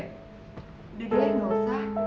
oke gak usah